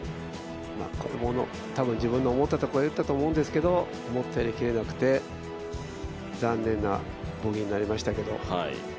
これも多分、自分の思ったところに打ったと思うんですけれども思ったより切れなくて、残念なボギーになりましたけど。